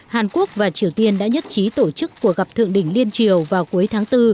hàn quốc và triều tiên đã nhất trí tổ chức cuộc gặp thượng đỉnh liên triều vào cuối tháng bốn